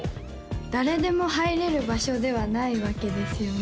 誰でも入れる場所ではないわけですよね？